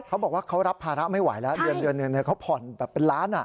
เขาบอกว่าเขารับภาระไม่ไหวแล้วเดือนหนึ่งเขาผ่อนแบบเป็นล้าน